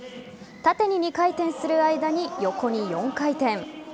縦に２回転する間に横に４回転。